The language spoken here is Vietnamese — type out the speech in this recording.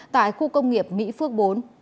tại khu công nghiệp mỹ phước bốn